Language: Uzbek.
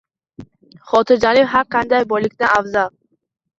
Xotirjamlik har qanday boylikdan afzal